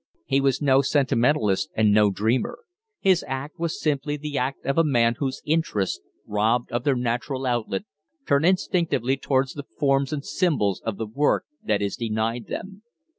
He was no sentimentalist and no dreamer; his act was simply the act of a man whose interests, robbed of their natural outlet, turn instinctively towards the forms and symbols of the work that is denied them.